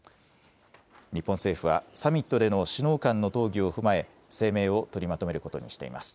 日本政府はサミットでの首脳間の討議を踏まえ声明を取りまとめることにしています。